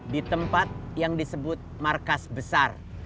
di tempat yang disebut markas besar